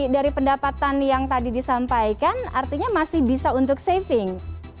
dari pendapatan yang tadi disampaikan artinya masih bisa untuk saving